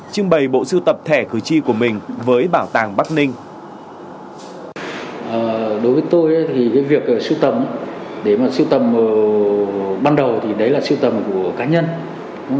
trưng bày bộ sưu tập thẻ cử tri của mình với bảo tàng bảo tàng